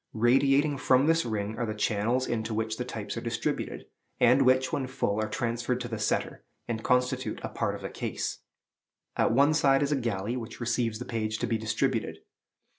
Radiating from this ring are the channels into which the types are distributed; and which, when full, are transferred to the setter, and constitute a part of the case. At one side is a galley, which receives the page to be distributed.